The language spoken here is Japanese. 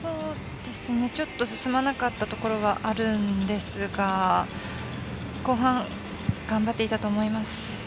ちょっと進まなかったところはありますが後半、頑張っていたと思います。